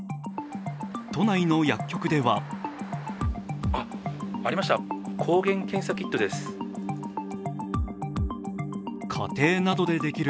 都内の薬局ではありました、抗原検査キットです